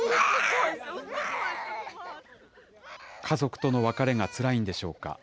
家族との別れがつらいんでしょうか。